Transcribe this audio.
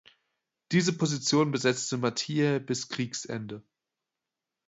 Diese Position besetzte Matthiae bis Kriegsende.